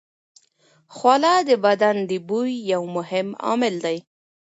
خوله د بدن د بوی یو مهم عامل دی.